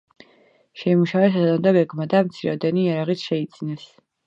შეიმუშავეს სათანადო გეგმა და მცირეოდენი იარაღიც შეიძინეს.